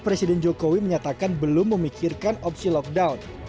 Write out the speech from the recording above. presiden jokowi menyatakan belum memikirkan opsi lockdown